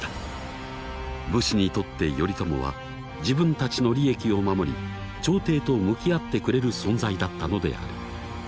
武士にとって頼朝は自分たちの利益を守り朝廷と向き合ってくれる存在だったのである。